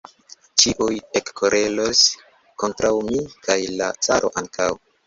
Ĉiuj ekkoleros kontraŭ mi kaj la caro ankaŭ!